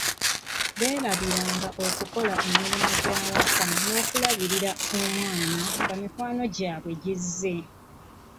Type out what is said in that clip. Beerabira nga okukola emirimu gy'awaka n'okulabirira omwana nga mikwano gy'abwe gizze.